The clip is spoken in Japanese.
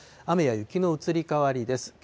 雨や雪の移り変わりです。